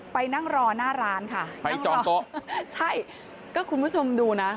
ไปนั่งรอหน้าร้านค่ะไปจอดโต๊ะใช่ก็คุณผู้ชมดูนะ